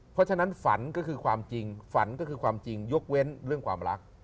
เพราะฉะนั้นฝันก็คือความจริงฝันก็คือความจริงยกเว้นเรื่องความรัก